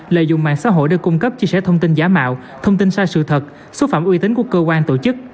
lợi dụng mạng xã hội để cung cấp chia sẻ thông tin giả mạo thông tin sai sự thật xúc phạm uy tín của cơ quan tổ chức